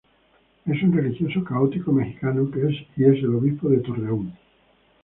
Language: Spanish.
Es un religioso católico mexicano, que es el Obispo de Torreón.